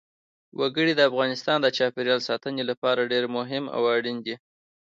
وګړي د افغانستان د چاپیریال ساتنې لپاره ډېر مهم او اړین دي.